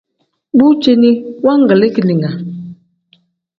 Bu ceeni wangilii keninga.